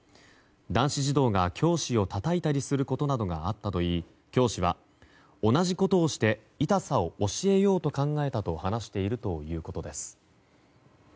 男子児童が教師をたたいたりすることなどがあったといい教師は、同じことをして痛さを教えようと考えたと話しているということです。